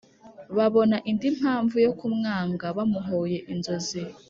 Babona indi mpamvu yo kumwanga bamuhoye inzozi